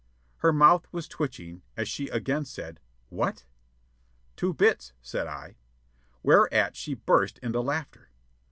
Her mouth was twitching as she again said, "What?" "Two bits," said I. Whereat she burst into laughter.